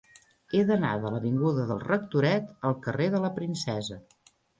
He d'anar de l'avinguda del Rectoret al carrer de la Princesa.